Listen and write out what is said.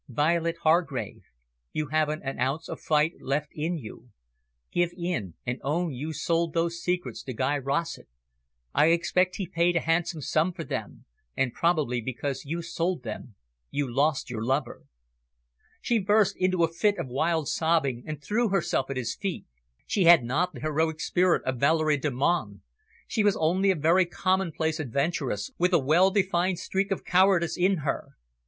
"Violet Hargrave, you haven't an ounce of fight left in you. Give in and own you sold those secrets to Guy Rossett. I expect he paid a handsome sum for them and probably because you sold them, you lost your lover." She burst into a fit of wild sobbing, and threw herself at his feet. She had not the heroic spirit of Valerie Delmonte. She was only a very commonplace adventuress, with a well defined streak of cowardice in her.